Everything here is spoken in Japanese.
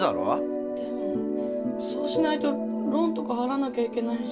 でもそうしないとローンとか払わなきゃいけないし。